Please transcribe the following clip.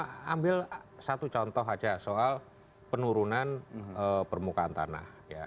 kita ambil satu contoh saja soal penurunan permukaan tanah